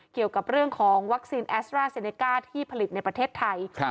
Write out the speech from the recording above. เกี่ยวกับเรื่องของวัคซีนแอสตราเซเนก้าที่ผลิตในประเทศไทย